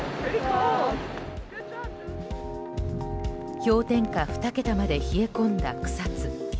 氷点下２桁まで冷え込んだ草津。